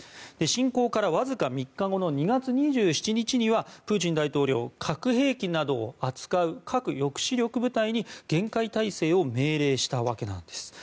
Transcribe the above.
侵攻からわずか３日後の２月２７日にはプーチン大統領は核兵器などを扱う核抑止力部隊に厳戒態勢を命令したわけなんです。